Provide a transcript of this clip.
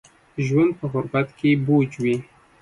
ژوند په غربت کې بوج وي